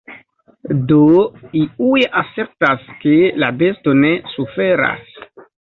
Do iuj asertas, ke la besto ne suferas.